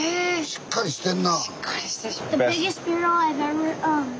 しっかりしてる。